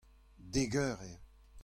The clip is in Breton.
Dek eur eo.